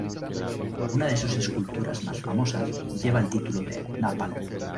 Una de sus esculturas más famosas lleva el título de "Napalm".